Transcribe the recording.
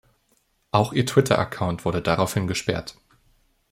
Auch ihr Twitter-Account wurde daraufhin gesperrt.